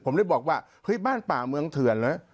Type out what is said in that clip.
ผมเลยบอกว่าเฮ้ยบ้านป่าเมืองเถื่อนเหรอ